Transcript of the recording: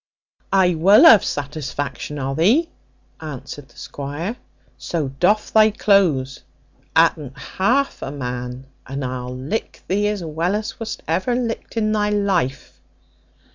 "I wull have satisfaction o' thee," answered the squire; "so doff thy clothes. At unt half a man, and I'll lick thee as well as wast ever licked in thy life."